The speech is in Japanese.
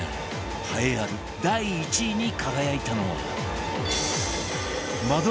栄えある第１位に輝いたのは